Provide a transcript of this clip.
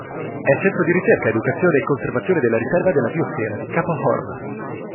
È centro di ricerca, educazione e conservazione della riserva della biosfera di Capo Horn.